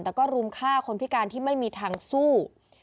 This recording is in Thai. แต่ก็รุมฆ่าคนพิการที่ไม่มีทางสู้